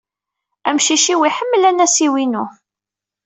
Amcic-iw iḥemmel anasiw-inu.